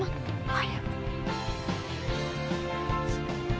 早く。